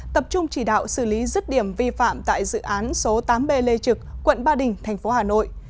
tập trung chỉ đạo xử lý rứt điểm vi phạm tại dự án số tám b lê trực quận ba đình thành phố hà nội